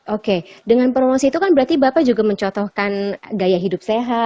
oke dengan promosi itu kan berarti bapak juga mencotohkan gaya hidup sehat